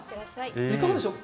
いかがでしょう？